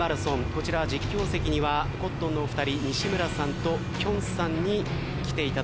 こちら実況席にはコットンのお二人西村さんときょんさんに来ていただいております。